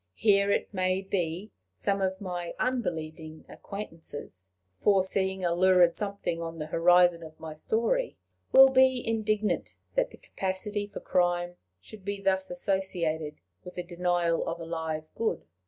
Here, it may be, some of my unbelieving acquaintances, foreseeing a lurid something on the horizon of my story, will be indignant that the capacity for crime should be thus associated with the denial of a Live Good.